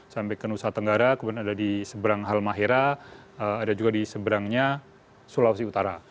sampai ke nusa tenggara kemudian ada di seberang halmahera ada juga di seberangnya sulawesi utara